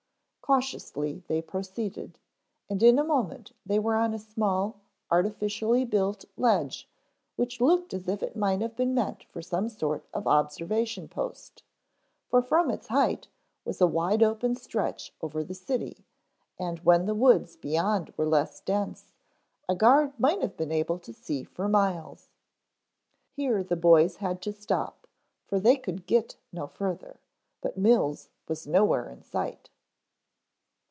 Cautiously they proceeded, and in a moment they were on a small artificially built ledge which looked as if it might have been meant for some sort of observation post, for from its height was a wide open stretch over the city, and when the woods beyond were less dense, a guard might have been able to see for miles. Here the boys had to stop for they could get no further, but Mills was nowhere in sight.